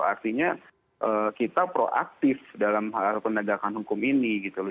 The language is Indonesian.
artinya kita proaktif dalam penegakan hukum ini gitu lho